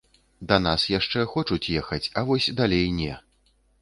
Да нас яшчэ хочуць ехаць, а вось далей не.